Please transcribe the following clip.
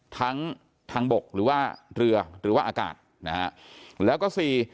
ทั้งทางบกหรือว่าเรือหรือว่าอากาศ